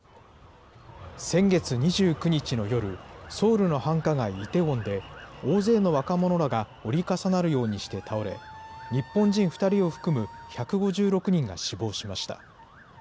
先月２９日の夜、ソウルの繁華街、イテウォンで大勢の若者らが折り重なるようにして倒れ、日本人２人を含む１５６人が死亡しました。